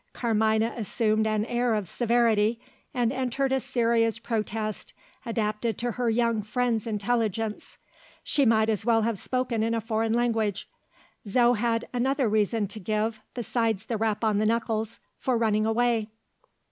Carmina assumed an air of severity, and entered a serious protest adapted to her young friend's intelligence. She might as well have spoken in a foreign language. Zo had another reason to give, besides the rap on the knuckles, for running away.